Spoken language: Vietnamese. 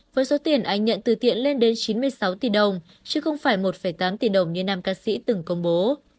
với số tiền anh nhận từ thiện lên đến chín mươi sáu tỷ đồng chứ không phải một tám tỷ đồng như nam ca sĩ từng công bố